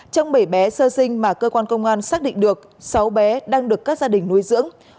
trong bảy bé sơ sinh mà cơ quan công an xác định được sáu bé đang được các gia đình nuôi dưỡng